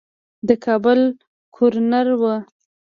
د کابل ګورنر وو.